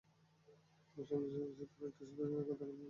তবে সংশ্লিষ্ট আরেকটি সূত্র বলেছে, তাদের গতকাল পর্যন্ত মংডুতে নেওয়া হয়নি।